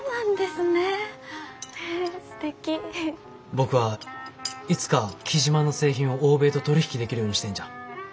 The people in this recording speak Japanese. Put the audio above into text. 僕はいつか雉真の製品を欧米と取り引きできるようにしたいんじゃ。